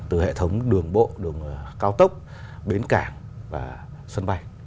từ hệ thống đường bộ đường cao tốc bến cảng và sân bay